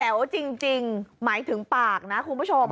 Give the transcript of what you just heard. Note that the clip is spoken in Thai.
วจริงหมายถึงปากนะคุณผู้ชม